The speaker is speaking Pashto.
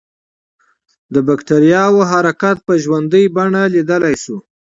د بکټریاوو حرکت په ژوندۍ بڼه لیدلای شو.